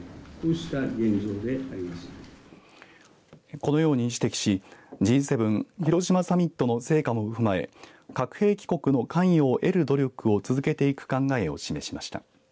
このように指摘しＧ７広島サミットの成果も踏まえ核兵器国の関与を得る努力を続けていく考えを示しました。